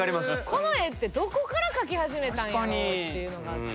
この絵ってどこから描き始めたんやろうっていうのがあって。